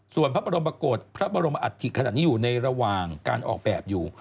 ส่วนพระบรมกฏพระบรมอัฐิขนาดนี้อยู่ในระหว่างการออกแบบอยู่